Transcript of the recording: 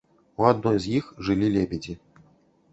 У адной з іх жылі лебедзі.